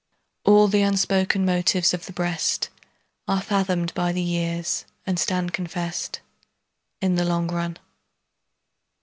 All the unspoken motives of the breast Are fathomed by the years and stand confess'd In the long run.